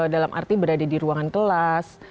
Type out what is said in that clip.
dalam arti berada di ruangan kelas